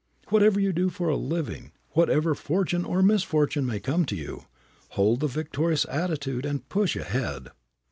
Whatever you do for a living, whatever fortune or misfortune may come to you, hold the victorious attitude and push ahead.